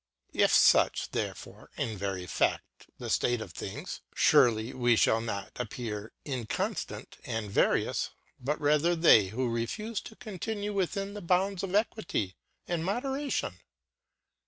If fuch, therefore, in very Fadl the State of Things, furely we fhall not appear inconftant and various, but rather they, who refufe to continue within the Bounds of Equity and Moderati on.